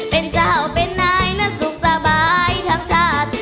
เป็นเจ้าเป็นนายและสุขสบายทั้งชาติ